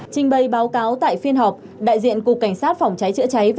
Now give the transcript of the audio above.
trình bày báo cáo tại phiên họp đại diện cục cảnh sát phòng cháy chữa cháy và